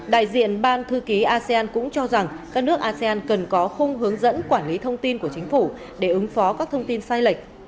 đại diện ban thư ký asean cũng cho rằng các nước asean cần có khung hướng dẫn quản lý thông tin của chính phủ để ứng phó các thông tin sai lệch